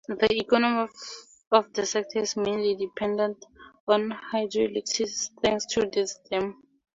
The economy of the sector is mainly dependent on hydroelectricity thanks to this dam.